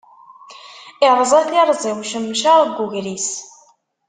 Iṛẓa tiṛẓi ucemcaṛ n ugris.